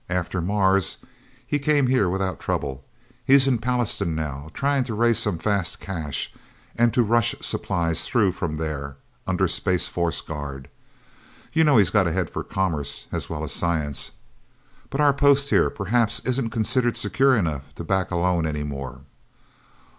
After Mars, he came here without trouble. He's in Pallastown, now, trying to raise some fast cash, and to rush supplies through from there, under Space Force guard. You know he's got a head for commerce as well as science. But our post, here, perhaps isn't considered secure enough to back a loan, anymore."